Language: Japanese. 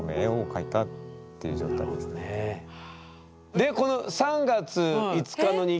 でこの３月５日の日記。